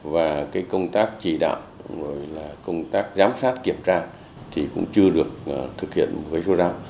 và cái công tác chỉ đạo công tác giám sát kiểm tra thì cũng chưa được thực hiện với số rào